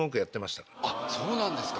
あっそうなんですか。